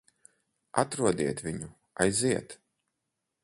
Atrodiet viņu. Aiziet!